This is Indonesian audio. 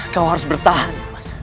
kau harus bertahan